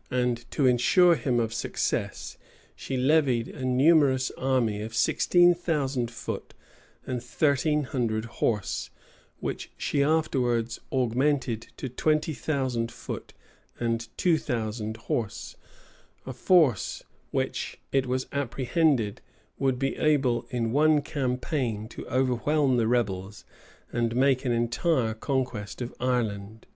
[*] And to insure him of success, she levied a numerous army of sixteen thousand foot and thirteen hundred horse, which she afterwards augmented to twenty thousand foot and two thousand horse; a force which, it was apprehended, would be able in one campaign to overwhelm the rebels, and make an entire conquest of Ireland.